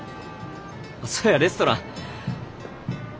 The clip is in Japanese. そうやレストラン。